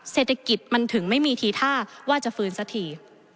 เศรษฐกิจมันถึงไม่มีทีท่าว่าจะฟื้นสักที